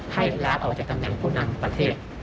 ให้ลาออกจากตำแหน่งผู้นำประเทศ